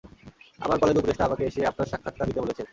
আমার কলেজ উপদেষ্টা আমাকে এসে আপনার সাক্ষাৎকার নিতে বলেছেন।